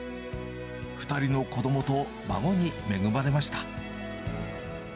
２人の子どもと孫に恵まれました。